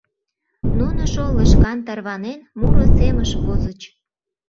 Нуныжо, лыжган тарванен, муро семыш возыч.